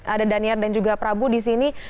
ada daniar dan juga prabu di sini